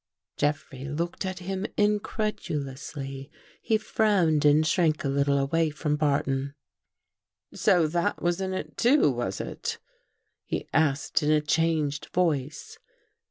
Jeffrey looked at him incredulously. He frowned and shrank a little away from Barton. "So that was in it, too, was it?" he asked in a changed voice.